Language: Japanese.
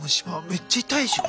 めっちゃ痛いでしょ？